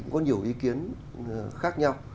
có nhiều ý kiến khác nhau